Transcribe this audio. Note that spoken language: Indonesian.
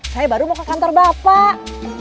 saya baru mau ke kantor bapak